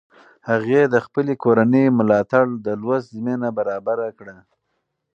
هغې د خپلې کورنۍ ملاتړ د لوست زمینه برابره کړه.